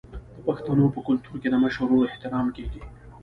د پښتنو په کلتور کې د مشر ورور احترام کیږي.